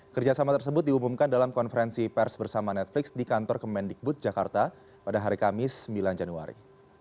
kerjasama tersebut diumumkan dalam konferensi pers bersama netflix di kantor kemendikbud jakarta pada hari kamis sembilan januari